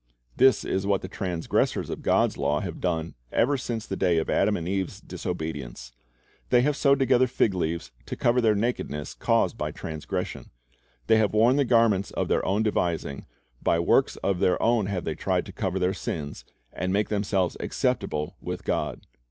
This is what the transgressors of God's law have done ever since the day of Adam and Eve's disobedience. They have sewed together fig leaves to cover the nakedness caused by transgression. They have worn the garments of their own devising, by works of their own they have tried to cover their sins, and make themselves acceptable with God.